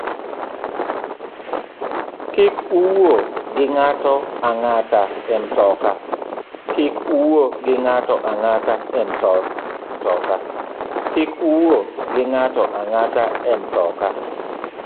Kik iwuo gi ng’ato ang’ata e matoka